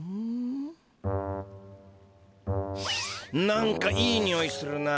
何かいいにおいするな。